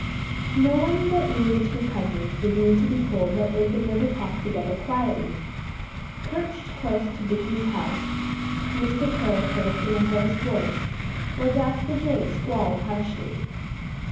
No one that knew the two cousins would need to be told that they could never talk together quietly. Perched close to Dickie's house, Mr. Crow croaked in a hoarse voice, while Jasper Jay squalled harshly.